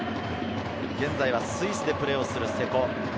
現在はスイスでプレーをする瀬古。